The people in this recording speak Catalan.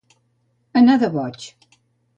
Anar de boig.